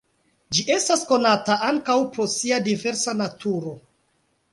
Ĝi estas konata ankaŭ pro sia diversa naturo.